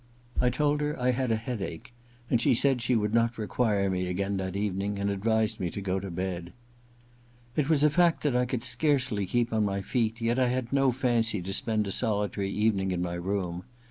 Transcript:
I told her I had a headache, and she said she would not require me again that evening, and advised me to go to bed. It was a fact that I could scarcely keep on my feet ; yet I had no fancy to spend a solitary evening in my room.